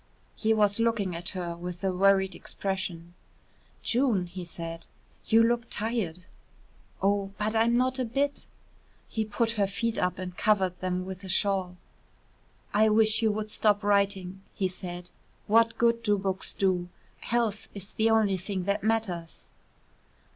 He was looking at her with a worried expression. "June," he said, "you look tired." "Oh, but I'm not a bit." He put her feet up and covered them with a shawl. "I wish you would stop writing," he said. "What good do books do? Health is the only thing that matters."